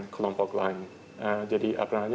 kelompok lain jadi